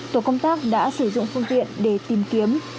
tổ công tác đã sử dụng phương tiện để tìm kiếm